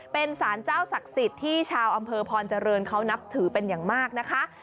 เป็นสารเจ้าศักดิ์สิทธิ์ที่ชาวอำเภอพรเจริญเขานับถือเป็นอย่างมากนะคะ